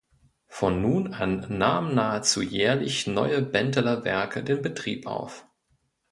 Von nun an nahmen nahezu jährlich neue Benteler-Werke den Betrieb auf.